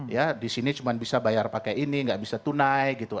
ya di sini cuma bisa bayar pakai ini nggak bisa tunai gitu